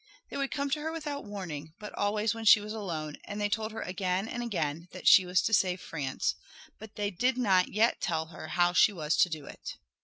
They would come to her without warning, but always when she was alone, and they told her again and again that she was to save France, but they did not yet tell her how she was to do it.